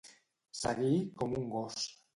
Seguir com un gos.